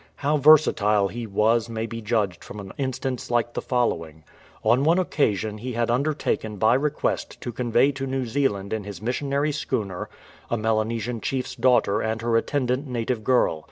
How versatile he was may be judged from an instance like the following. On one occasion he had undertaken by request to convey to New Zealand in his missionary schooner a Melanesian chief's daughter and her attendant native girl.